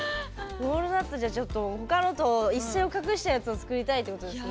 ウォールナットじゃちょっと他のと一線を画したやつを作りたいってことですね